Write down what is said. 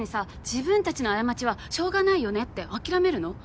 自分たちの過ちはしょうがないよねって諦めるの？